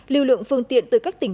liều lượng phương tiện từ các tỉnh